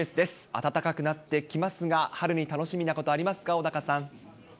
暖かくなってきますが、春に楽しみなこと、ありますか、小高さん。